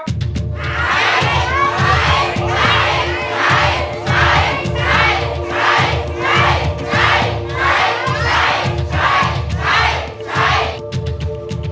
ใช้